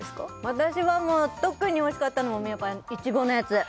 私はもう特においしかったのはやっぱいちごのやつ